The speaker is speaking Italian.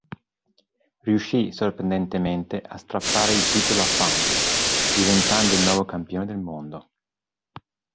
Riuscì sorprendentemente a strappare il titolo a Funk, diventando il nuovo campione del mondo.